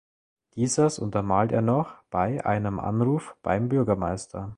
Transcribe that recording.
Dieses untermalt er noch bei einem Anruf beim Bürgermeister.